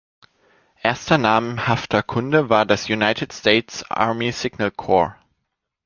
Erster namhafter Kunde war das United States Army Signal Corps.